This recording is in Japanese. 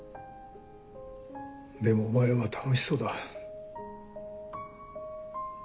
でもお前は楽しそうだ。